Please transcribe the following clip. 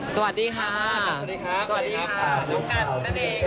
สวัสดีค่ะสวัสดีค่ะน้องกันนั่นเอง